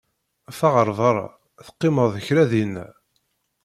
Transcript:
Ffeɣ ar beṛṛa, teqqimeḍ kra dinna!